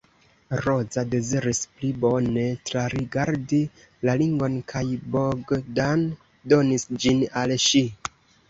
Roza deziris pli bone trarigardi la ringon kaj Bogdan donis ĝin al ŝi.